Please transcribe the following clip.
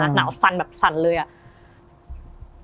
แต่หนาวสั่นเลยอะ